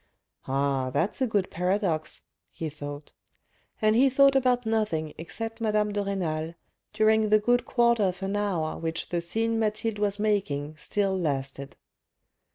" Ah, that's a good paradox," he thought, and he thought about nothing except madame de Renal during the good quarter of an hour which the scene Mathilde was making still lasted.